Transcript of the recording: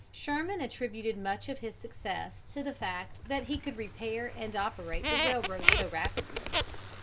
Sherman attributed much of his success to the fact that he could repair and operate the railroad so rapidly.